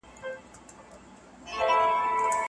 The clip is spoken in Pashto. د املا سمول د لارښووني په پرتله اسانه کار دی.